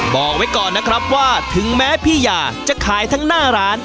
บอกไว้ก่อนนะครับว่าถึงแม้พี่ยาจะขายทั้งหน้าร้าน